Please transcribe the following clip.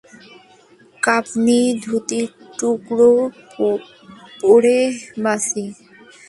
কপনি, ধুতির টুকরো পরে বাঁচি।